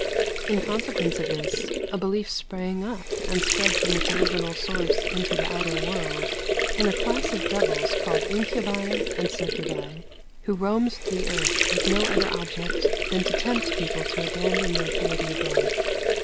In consequence of this, a belief sprang up, and spread from its original source into the outer world, in a class of devils called incubi and succubi, who roamed the earth with no other object than to tempt people to abandon their purity of life.